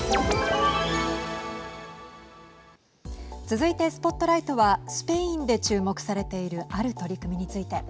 続いて、ＳＰＯＴＬＩＧＨＴはスペインで注目されているある取り組みについて。